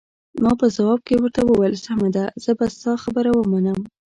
ما په ځواب کې ورته وویل: سمه ده، زه به ستا خبره ومنم.